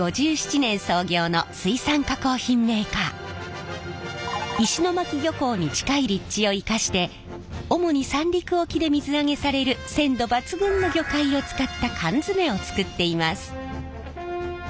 こちらは石巻漁港に近い立地を生かして主に三陸沖で水揚げされる鮮度抜群の魚介を使った缶詰を作っています。